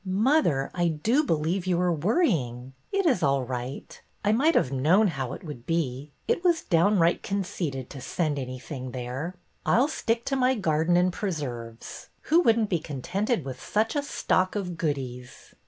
" Mother, I do believe you are worrying. It is all right. I might have known how it would be. It was downright conceited to send anything there. I 'll stick to my garden and preserves. Who would n't be contented with such a stock of goodies